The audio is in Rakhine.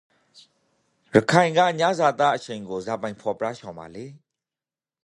ရခိုင်ကညဇာသားအချိန်ကိုဇာပိုင် ဖော်ပြချင်ပါလေ?